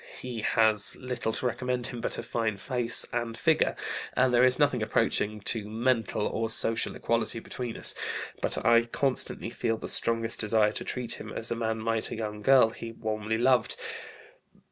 He has little to recommend him but a fine face and figure, and there is nothing approaching to mental or social equality between us. But I constantly feel the strongest desire to treat him as a man might a young girl he warmly loved.